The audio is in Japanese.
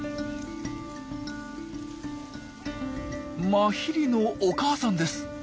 マヒリのお母さんです。